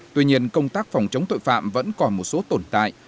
tuy nhiên công tác phòng chống tội phạm vẫn còn một số tồn tại